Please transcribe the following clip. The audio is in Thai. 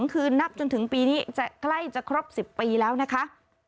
คืนนับจนถึงปีนี้จะใกล้จะครบ๑๐ปีแล้วนะคะ